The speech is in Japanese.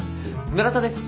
村田です。